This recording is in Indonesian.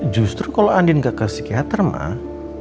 justru kalo andien gak ke psikiater mah